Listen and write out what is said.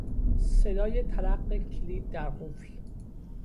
صدای تلق کلید در قفل